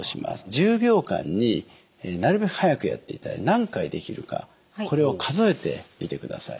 １０秒間になるべく速くやっていただいて何回できるかこれを数えてみてください。